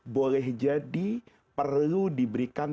boleh jadi perlu diberikan